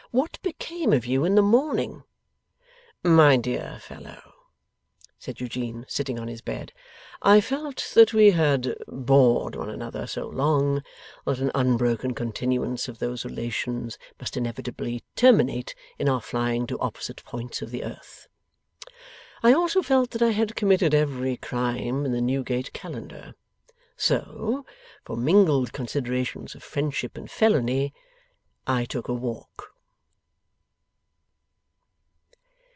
'What became of you in the morning?' 'My dear fellow,' said Eugene, sitting on his bed, 'I felt that we had bored one another so long, that an unbroken continuance of those relations must inevitably terminate in our flying to opposite points of the earth. I also felt that I had committed every crime in the Newgate Calendar. So, for mingled considerations of friendship and felony, I took a walk.